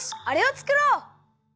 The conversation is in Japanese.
あれをつくろう！